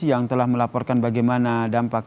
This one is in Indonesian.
yang telah melaporkan bagaimana dampak